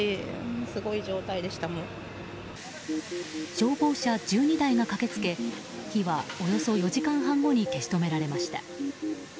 消防車１２台が駆けつけ火はおよそ４時間半後に消し止められました。